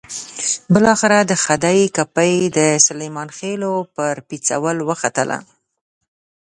بالاخره د خدۍ کپۍ د سلیمان خېلو پر پېڅول وختله.